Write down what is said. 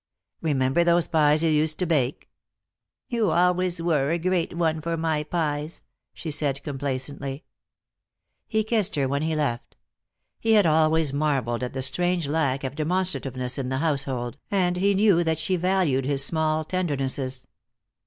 Remember those pies you used to bake?" "You always were a great one for my pies," she said, complacently. He kissed her when he left. He had always marveled at the strange lack of demonstrativeness in the household, and he knew that she valued his small tendernesses.